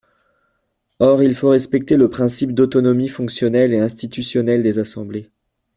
Or il faut respecter le principe d’autonomie fonctionnelle et institutionnelle des assemblées.